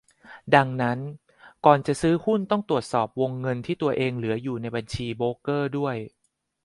ดังนั้น ก่อนจะซื้อหุ้นต้องตรวจสอบวงเงินที่ตัวเองเหลืออยู่ในบัญชีโบรกเกอร์ด้วย